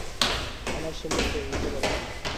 আমার সে লজ্জা ভুলতে পারব না।